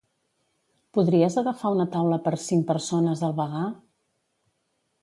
Podries agafar una taula per cinc persones al vegà?